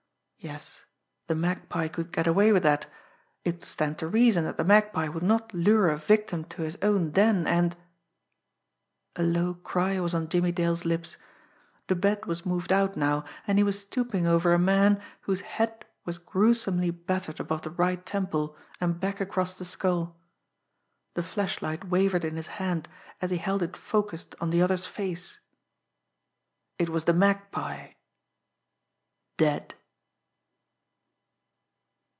Yes, the Magpie could get away with that. It would stand to reason that the Magpie would not lure a victim to his own den, and A low cry was on Jimmie Dale's lips. The bed was moved out now, and he was stooping over a man whose head was gruesomely battered above the right temple and back across the skull. The flashlight wavered in his hand, as he held it focussed on the other's face. It was the Magpie dead.